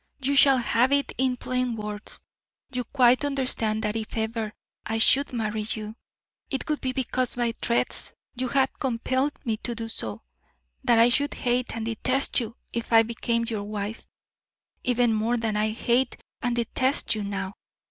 You shall have it in plain words. You quite understand that if ever I should marry you, it would be because by threats you had compelled me to do so; that I should hate and detest you if I became your wife even more than I hate and detest you now.